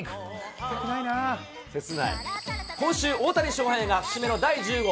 今週、大谷翔平が節目の第１０号。